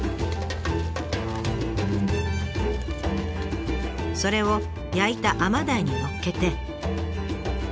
それを焼いた甘ダイにのっけて。